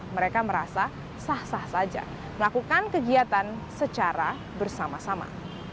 mereka merasa sah sah saja melakukan kegiatan secara bersama sama